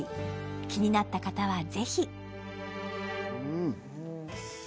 気になった方はぜひ。